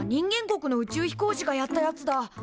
国の宇宙飛行士がやったやつだ。